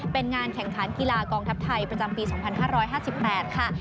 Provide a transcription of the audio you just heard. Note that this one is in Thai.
เป็นงานแข่งขันกีฬากองทัพไทยประจำปี๒๕๕๘ค่ะ